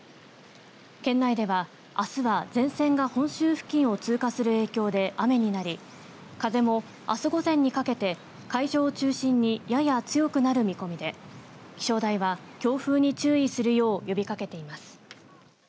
県内では、あすは前線が本州付近を通過する影響で雨になり風もあす午前にかけて海上を中心にやや強くなる見込みで気象台は強風に注意するよう呼びかけています。